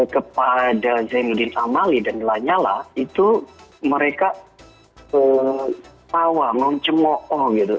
kepada zainuddin amali dan lanyala itu mereka tawa ngoncemoo ⁇ gitu